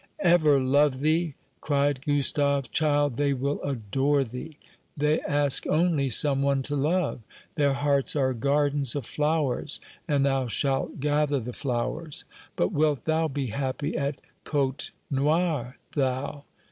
"Ever love thee!" cried Gustave. "Child, they will adore thee. They ask only some one to love. Their hearts are gardens of flowers; and thou shalt gather the flowers. But wilt thou be happy at Côtenoir, thou?